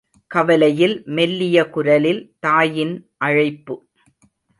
கவலையில் மெல்லிய குரலில் தாயின் அழைப்பு.